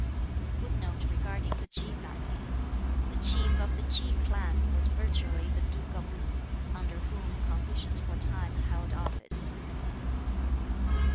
[Footnote 4: The Chief of the Ki clan was virtually the Duke of Lu, under whom Confucius for a time held office.